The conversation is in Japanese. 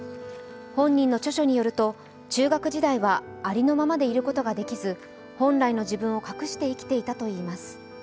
本人の著書によると、中学時代はありのままでいることができず本来の自分を隠して生きていたといいます。